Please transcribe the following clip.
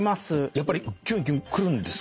やっぱりキュンキュンくるんですか？